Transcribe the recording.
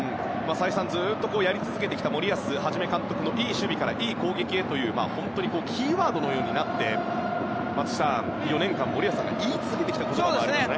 再三、やり続けてきた森保一監督のいい守備からいい攻撃へという本当にキーワードのようになって松木さん、４年間森保さんが言い続けてきたことでもありますね。